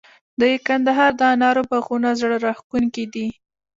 د کندهار د انارو باغونه زړه راښکونکي دي.